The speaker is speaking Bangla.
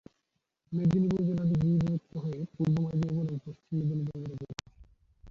মেদিনীপুর জেলাটি দ্বিধাবিভক্ত হয়ে পূর্ব মেদিনীপুর ও পশ্চিম মেদিনীপুর জেলা গঠিত হয়েছে।